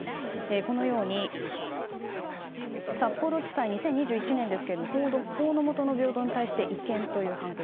このように札幌地裁、２０２１年ですが法の下の平等に対して違憲という判決。